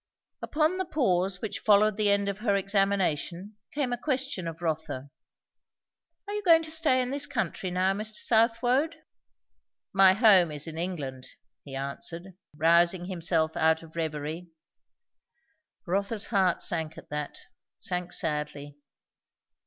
Upon the pause which followed the end of her examination came a question of Rotha. "Are you going to stay in this country now, Mr. Southwode?" "My home is in England," he answered, rousing himself out of reverie. Rotha's heart sank at that; sank sadly.